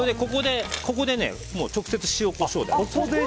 ここで直接、塩とコショウを。